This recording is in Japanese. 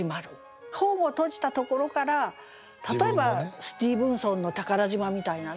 本を閉じたところから例えばスティーブンソンの「宝島」みたいなね